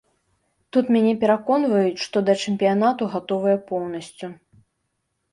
Тут мяне пераконваюць, што да чэмпіянату гатовыя поўнасцю.